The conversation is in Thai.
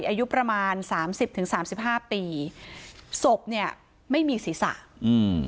อายุประมาณสามสิบถึงสามสิบห้าปีศพเนี้ยไม่มีศีรษะอืม